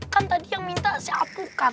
kan tadi yang minta si alpukat